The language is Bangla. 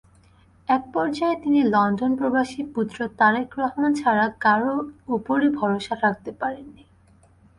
একপর্যায়ে তিনি লন্ডনপ্রবাসী পুত্র তারেক রহমান ছাড়া কারও ওপরই ভরসা রাখতে পারেননি।